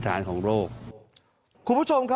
ขอเลื่อนสิ่งที่คุณหนูรู้สึก